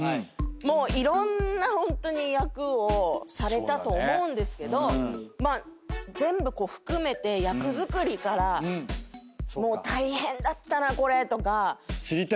もういろんな役をされたと思うんですけど全部含めて役作りからもう大変だったなこれとか。知りたいですね